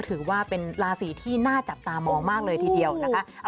ถือว่าเป็นราศีที่น่าจับตามองมากเลยทีเดียวนะคะ